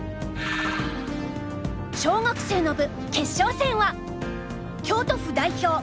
小学生の部決勝戦は京都府代表